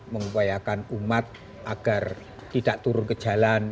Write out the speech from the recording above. mengupayakan umat agar tidak turun ke jalan